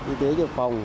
y tế trực phòng